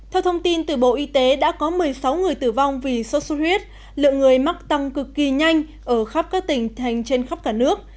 theo thông tin từ bộ y tế đã có một mươi sáu người tử vong vì sốt xuất huyết lượng người mắc tăng cực kỳ nhanh ở khắp các tỉnh thành trên khắp cả nước